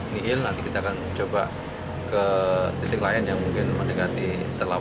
mihil nanti kita akan coba ke titik lain yang mungkin mendekati terlampau